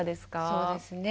そうですね。